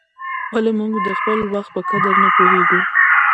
ولي موږ د خپل وخت په قدر نه پوهیږو؟